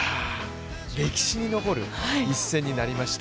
歴史に残る１戦になりました。